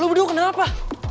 lo berdua kenapa